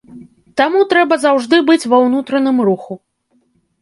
Таму трэба заўжды быць ва ўнутраным руху.